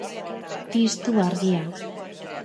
Piztu argia.